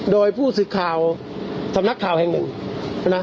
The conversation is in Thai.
โดยผู้สื่อข่าวสำนักข่าวแห่งหนึ่งนะ